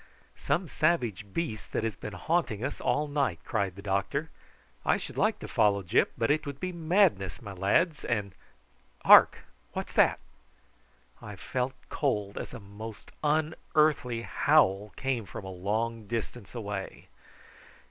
"Some savage beast that has been haunting us all night," cried the doctor. "I should like to follow Gyp, but it would be madness, my lads, and hark, what's that?" I felt cold as a most unearthly howl came from a long distance away.